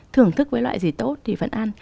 thưởng thức với loại gì tốt thì vẫn ăn